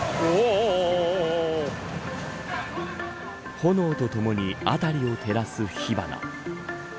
炎とともに辺りを照らす火花。